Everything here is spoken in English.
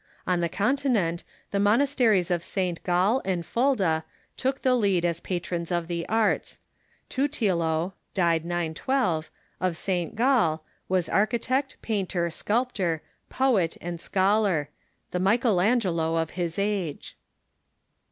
On the Continent the monasteries of St. Gall and Fulda took the lead as patrons of the arts. Tutilo (died 912), of St. Gall, was architect, painter, sculptor, poet, and scholar — the Michael Ane; elo of his asre.